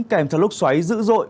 kèm theo lúc xoáy dữ dội